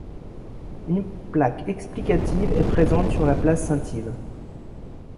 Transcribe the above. Une plaque explicative est présente sur la place Saint-Yves.